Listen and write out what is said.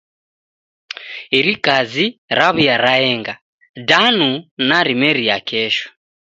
Iri kazi rawuya raenga danu narimeria kesho.